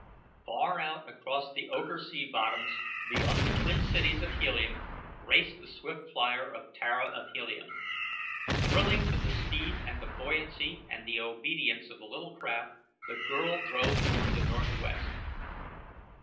Far out across the ochre sea bottoms beyond the twin cities of Helium raced the swift flier of Tara of Helium. Thrilling to the speed and the buoyancy and the obedience of the little craft the girl drove toward the northwest.